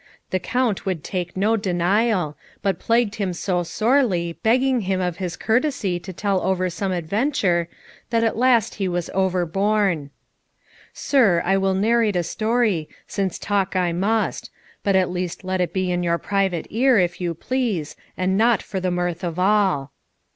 The Count would take no denial, but plagued him so sorely, begging him of his courtesy to tell over some adventure, that at the last he was overborne. "Sir, I will narrate a story, since talk I must; but at least let it be in your private ear, if you please, and not for the mirth of all."